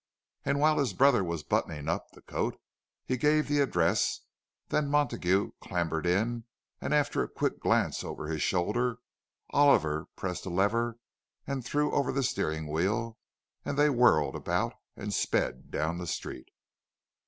And while his brother was buttoning up the coat, he gave the address; then Montague clambered in, and after a quick glance over his shoulder, Oliver pressed a lever and threw over the steering wheel, and they whirled about and sped down the street.